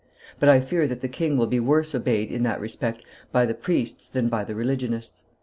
But I fear that the king will be worse obeyed in that respect by the priests than by the religionists.